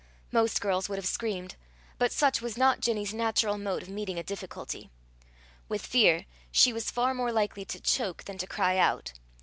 Most girls would have screamed, but such was not Ginny's natural mode of meeting a difficulty. With fear, she was far more likely to choke than to cry out.